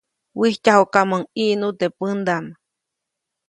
Wijtyajuʼkamuŋ ʼiʼnu teʼ pändaʼm.